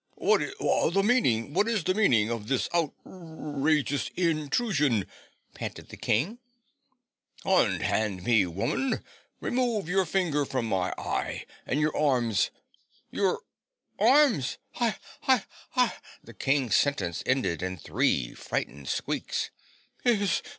"Whu what is the meaning of this out rageous in trusion?" panted the King. "Unhand me, woman! Remove your finger from my eye and your arms your ARMS! Hi! Hi! Hi!" The King's sentence ended in three frightened squeaks.